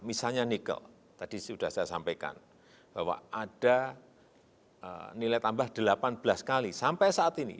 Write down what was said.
misalnya nikel tadi sudah saya sampaikan bahwa ada nilai tambah delapan belas kali sampai saat ini